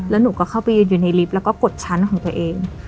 แล้วหนูก็เข้าไปยืนอยู่ในลิฟต์แล้วก็กดชั้นของตัวเอง